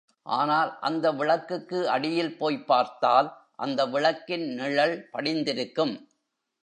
ஆனால் அந்த விளக்குக்கு அடியில் போய்ப் பார்த்தால், அந்த விளக்கின் நிழல் படிந்திருக்கும்.